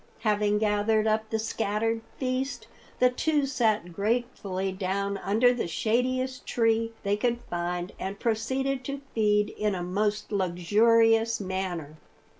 Having gathered up the scattered feast, the two sat gratefully down under the shadiest tree they could find and proceeded to feed in a most luxurious manner.